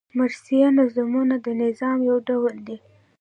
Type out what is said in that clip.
مرثیه نظمونه د نظم یو ډول دﺉ.